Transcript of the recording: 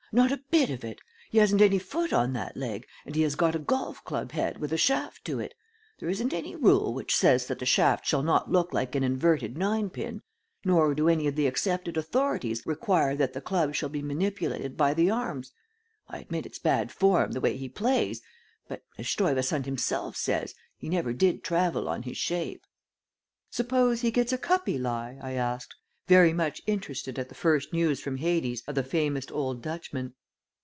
"Not a bit of it. He hasn't any foot on that leg, and he has a golf club head with a shaft to it. There isn't any rule which says that the shaft shall not look like an inverted nine pin, nor do any of the accepted authorities require that the club shall be manipulated by the arms. I admit it's bad form the way he plays, but, as Stuyvesant himself says, he never did travel on his shape." "Suppose he gets a cuppy lie?" I asked, very much interested at the first news from Hades of the famous old Dutchman.